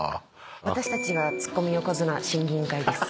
私たちがツッコミ横綱審議委員会です。